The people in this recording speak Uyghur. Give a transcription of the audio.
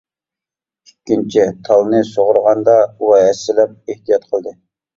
ئىككىنچى تالنى سۇغۇرغاندا ئۇ ھەسسىلەپ ئېھتىيات قىلدى.